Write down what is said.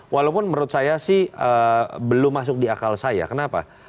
walaupun menurut saya sih belum masuk di akal saya kenapa